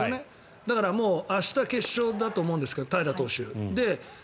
だから明日決勝だと思うんですけど平良投手。